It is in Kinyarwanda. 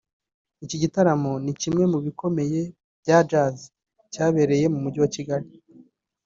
Iki gitaramo ni kimwe mu bikomeye bya Jazz cyabereye mu Mujyi wa Kigali